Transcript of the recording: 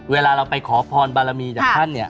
เวลาเราไปขอพรบารมี